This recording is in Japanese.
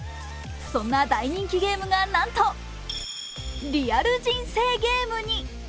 そんな大人気ゲームが、なんとリアル人生ゲームに。